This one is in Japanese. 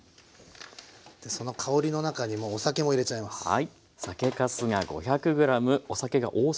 その香りの中にもお酒も入れちゃいます。